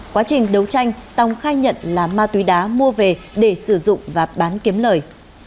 quá trình đấu tranh tòng khai nhận là ma túy đá mua về để sử dụng và bán kiếm lời